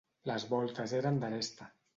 Les voltes eren d'aresta.